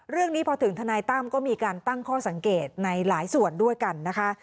เรื่องนี้พอถึงทนายตั้มก็มีการตั้งข้อสังเกตในหลายส่วนด้วยกันนะคะ